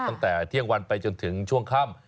ตั้งแต่เที่ยงวันไปจนถึงช่วงค่ำ